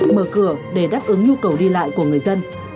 mở cửa để đáp ứng nhu cầu đi lại của người dân